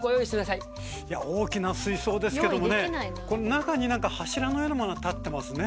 いや大きな水槽ですけどもねこの中に何か柱のようなものが立ってますね。